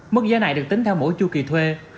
mức giá này được tính theo mỗi chu kỳ thuê